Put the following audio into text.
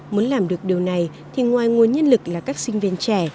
muốn làm được điều này thì ngoài nguồn nhân lực là các sinh viên trẻ